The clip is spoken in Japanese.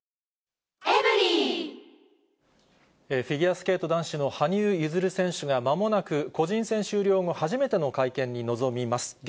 フィギュアスケート男子の羽生結弦選手が、まもなく、個人戦終了後初めての会見に臨みます。